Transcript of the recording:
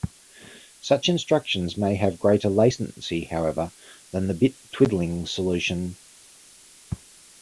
Such instructions may have greater latency, however, than the bit-twiddling solution.